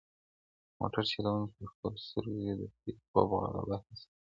موټر چلونکي په خپلو سترګو کې د خوب غلبه حس کړه.